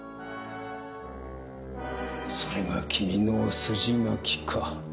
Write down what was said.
それが君の筋書きか。